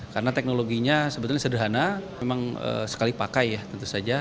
karena teknologinya sebetulnya sederhana memang sekali pakai ya tentu saja